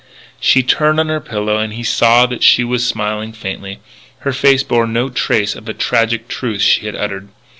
She turned on her pillow, and he saw that she was smiling faintly. Her face bore no trace of the tragic truth she had uttered.